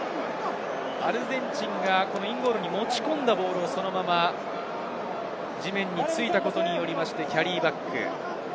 アルゼンチンがインゴールに持ち込んだボールを、そのまま地面についたことによってキャリーバック。